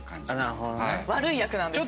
悪い役なんですよね。